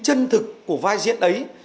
chân thực của vai diễn ấy